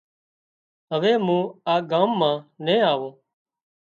هوي مُون آ ڳام مان نين آوون